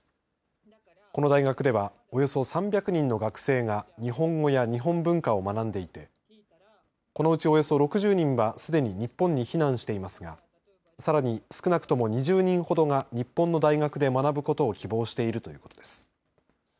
この大学では、およそ３００人の学生が日本語や日本文化を学んでいてこのうちおよそ６０人はすでに日本に避難していますがさらに少なくとも２０人ほどが日本の大学で学ぶことを希望しているということです。